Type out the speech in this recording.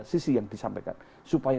sisi yang disampaikan supaya